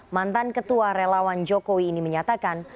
mantan ketua relawan jokowi ini menyatakan